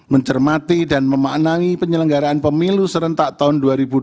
mencermati dan memaknai penyelenggaraan pemilu serentak tahun dua ribu dua puluh